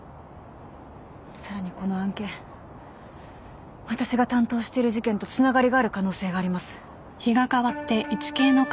さらにこの案件私が担当している事件とつながりがある可能性があります。